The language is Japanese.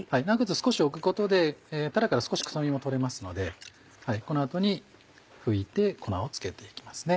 少し置くことでたらから少し臭みも取れますのでこの後に拭いて粉を付けて行きますね。